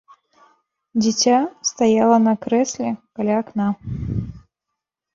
Дзіця стаяла на крэсле каля акна.